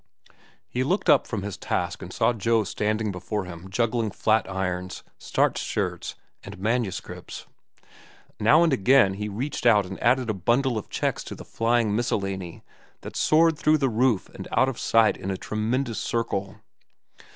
He looked up from his task and saw Joe standing before him juggling flat irons, starched shirts, and manuscripts. Now and again he reached out and added a bundle of checks to the flying miscellany that soared through the roof and out of sight in a tremendous circle.